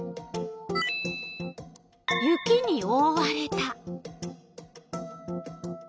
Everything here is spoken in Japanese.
雪におおわれた。